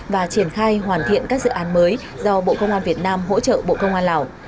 và triển khai hoàn thiện các dự án mới do bộ công an việt nam hỗ trợ bộ công an lào